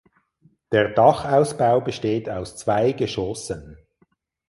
Der Dachausbau besteht aus zwei Geschossen.